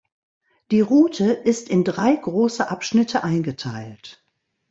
Die Route ist in drei große Abschnitte eingeteilt.